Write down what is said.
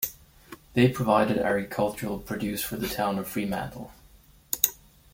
They provided agricultural produce for the town of Fremantle.